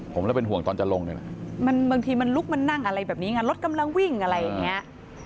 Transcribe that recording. ผมเลยเป็นห่วงตอนจะลงได้ไหมมันบางทีมันลุกมันนั่งอะไรแบบนี้ไงรถกำลังวิ่งอะไรอย่างเงี้ย